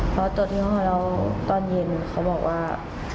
พอตรวจยี่ห้อแล้วตอนเย็นเขาบอกว่า